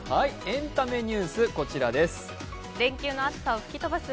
エンタメニュース、こちらです。